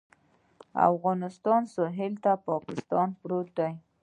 د افغانستان سویل ته پاکستان پروت دی